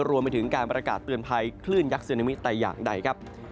รวมไปถึงการประกาศเตือนภัยคลื่นยักษ์ซึนามิแต่อย่างใดครับ